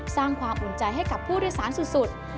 สร้างความอุ่นใจให้กับผู้โดยสารสุด